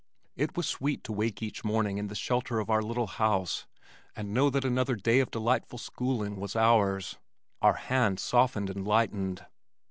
It was sweet to wake each morning in the shelter of our little house and know that another day of delightful schooling was ours. Our hands softened and lightened.